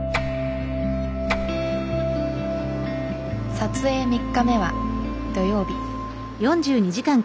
撮影３日目は土曜日。